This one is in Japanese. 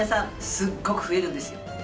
すっごく増えるんですよ。